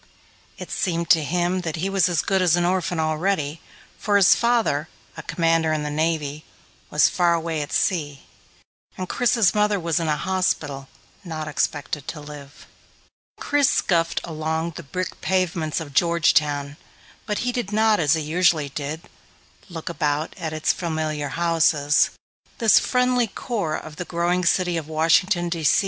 It seemed to him that he was as good as an orphan already, for his father, a Commander in the Navy, was far away at sea, and Chris's mother was in a hospital, not expected to live. Chris scuffed along the brick pavements of Georgetown, but he did not, as he usually did, look about at its familiar houses. This friendly core of the growing city of Washington, D.